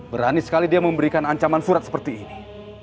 berani sekali dia memberikan ancaman surat seperti ini